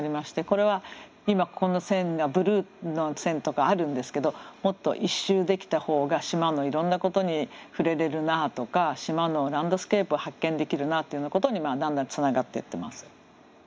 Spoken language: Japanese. これは今この線がブルーの線とかあるんですけどもっと１周できた方が島のいろんなことに触れれるなとか島のランドスケープを発見できるなというようなことにだんだんつながってってます。